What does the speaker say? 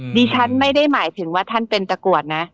ดิฉันไม่ได้หมายถึงว่าท่านเป็นตะกรวดนะ